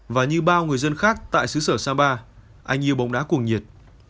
và như bao người dân khác tại xứ sở sapa anh yêu bóng đá cuồng nhiệt